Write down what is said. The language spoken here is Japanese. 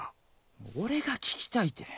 俺が聞きたいて。